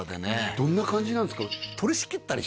どんな感じなんですか？